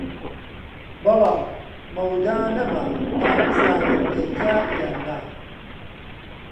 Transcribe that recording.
بەڵام مەودا نەما تا بزانین دەیکا یان نا